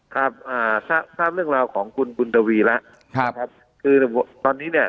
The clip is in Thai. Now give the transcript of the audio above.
ครับอ่าถ้าทราบเรื่องราวของคุณบุญทวีแล้วครับคือตอนนี้เนี่ย